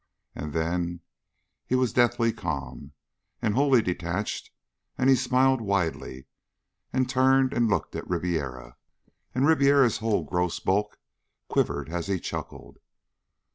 And then he was deathly calm, and wholly detached, and he smiled widely, and turned and looked at Ribiera, and Ribiera's whole gross bulk quivered as he chuckled.